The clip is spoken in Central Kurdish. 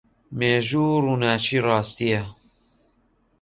مێژوو ڕووناکیی ڕاستییە.